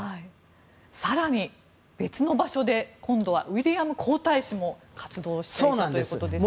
更に別の場所で今度はウィリアム皇太子も活動したということですね。